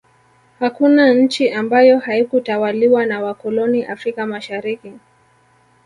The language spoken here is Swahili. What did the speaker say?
hakuna nchi ambayo haikutawaliwa na wakoloni afrika mashariki